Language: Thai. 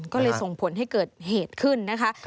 ก็เลยส่งผลให้เกิดเหตุขึ้นนะคะ